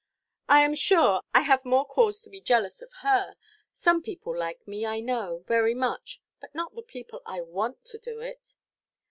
"I am sure, I have more cause to be jealous of her. Some people like me, I know, very much; but not the people I want to do it."